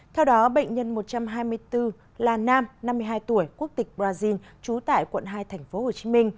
theo đó bệnh nhân một trăm hai mươi bốn là nam năm mươi hai tuổi quốc tịch brazil trú tại quận hai tp hcm